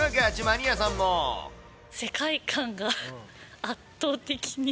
世界観が圧倒的に。